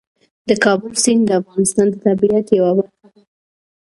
د کابل سیند د افغانستان د طبیعت یوه برخه ده.